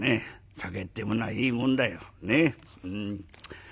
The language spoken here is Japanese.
酒ってものはいいもんだよね。